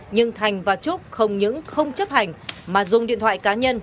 nhưng thành và trúc không những không chấp hành mà dùng điện thoại cá nhân